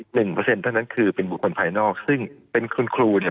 เปอร์เซ็นเท่านั้นคือเป็นบุคคลภายนอกซึ่งเป็นคุณครูเนี่ย